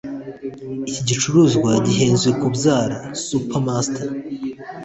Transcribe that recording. Iki gicuruzwa gihenze kubyara (Spamster)